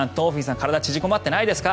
体縮こまってないですか？